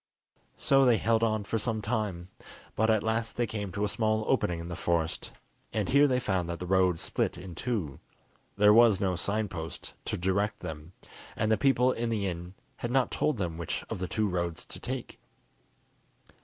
So they held on for some time, but at last they came to a small opening in the forest, and here they found that the road split in two. There was no sign post to direct them, and the people in the inn had not told them which of the two roads to take.